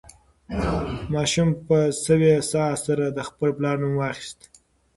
ماشوم په سوې ساه سره د خپل پلار نوم واخیست.